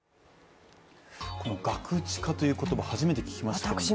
このガクチカという言葉、初めて聞きました。